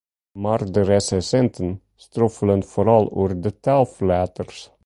Mar de resinsinten stroffelen foaral oer de taalflaters.